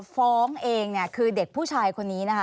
ฟ้องเองเนี่ยคือเด็กผู้ชายคนนี้นะคะ